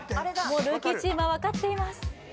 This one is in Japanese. もうルーキーチームは分かっています